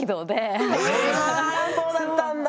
あそうだったんだ。